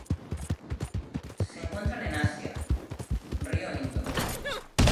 Se encuentran en Asia: río Indo.